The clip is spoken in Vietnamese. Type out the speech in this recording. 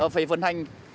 phải vận hành